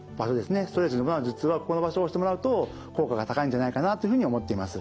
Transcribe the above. ストレスに伴う頭痛はここの場所を押してもらうと効果が高いんじゃないかなというふうに思っています。